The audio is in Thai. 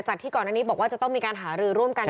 ที่ก่อนอันนี้บอกว่าจะต้องมีการหารือร่วมกัน